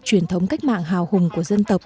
truyền thống cách mạng hào hùng của dân tộc